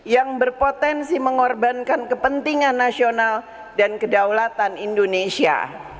yang berpotensi mengorbankan kepentingan nasional dan kedaulatan indonesia